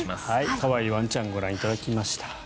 可愛いワンちゃんをご覧いただきました。